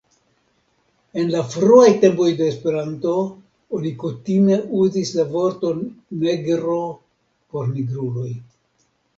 En la fruaj tempoj de Esperanto, oni kutime uzis la vorton negro por nigruloj.